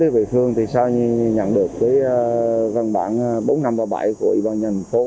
vị phương sau nhận được văn bản bốn nghìn năm trăm ba mươi bảy của ủy ban nhân phố